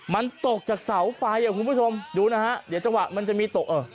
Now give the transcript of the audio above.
มันตกจากเสาไฟคุณผู้ชมดูนะฮะเดี๋ยวจะมีตก